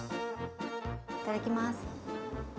いただきます！